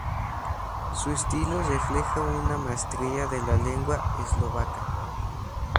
Su estilo refleja una maestría de la lengua eslovaca.